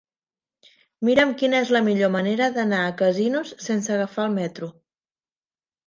Mira'm quina és la millor manera d'anar a Casinos sense agafar el metro.